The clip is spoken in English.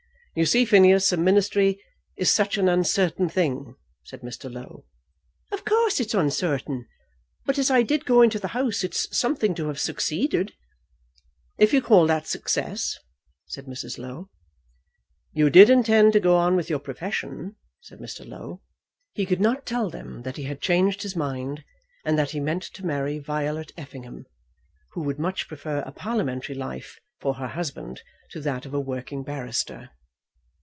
"You see, Phineas, a ministry is such an uncertain thing," said Mr. Low. "Of course it's uncertain; but as I did go into the House, it's something to have succeeded." "If you call that success," said Mrs. Low. "You did intend to go on with your profession," said Mr. Low. He could not tell them that he had changed his mind, and that he meant to marry Violet Effingham, who would much prefer a parliamentary life for her husband to that of a working barrister.